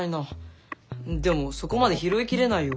でもそこまで拾いきれないよ。